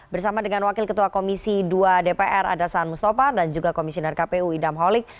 bersama dengan wakil ketua komisi dua dpr ada saan mustafa dan juga komisioner kpu idam holik